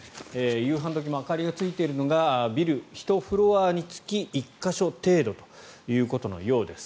夕飯時も明かりがついているのがビル１フロアにつき１か所程度ということのようです。